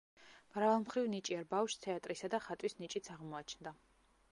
მრავალმხრივ ნიჭიერ ბავშვს თეატრისა და ხატვის ნიჭიც აღმოაჩნდა.